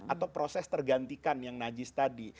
atau proses tergantikan yang najis tadi